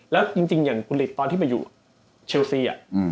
แล้วจริงอย่างคุณฤทธิตอนที่ไปอยู่เชลซี